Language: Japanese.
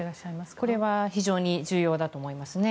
これは非常に重要だと思いますね。